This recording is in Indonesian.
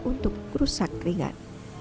untuk rumah rusak ringan